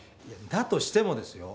だとしてもですよ